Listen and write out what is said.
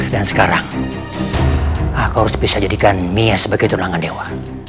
dan sekarang aku harus bisa jadikan mia sebagai tunangan dewa